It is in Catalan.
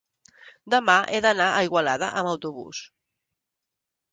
demà he d'anar a Igualada amb autobús.